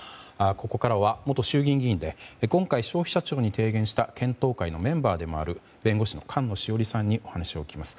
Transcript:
ここからは元衆議院議員で今回消費者庁に提言した検討会のメンバーでもある弁護士の菅野志桜里さんにお話をお聞きします。